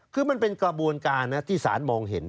คือมันเป็นกระบวนการนะที่สารมองเห็น